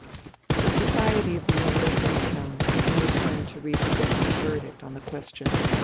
The society of the university town had no time to reach a definite verdict on the question.